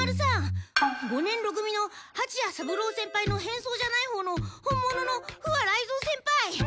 五年ろ組のはちや三郎先輩の変装じゃないほうの本物の不破雷蔵先輩！